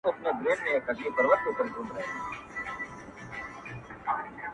او درد د تجربې برخه ده,